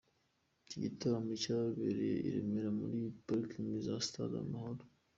Iki gitaramo cyabereye i Remera muri Parikingi za Stade Amahoro.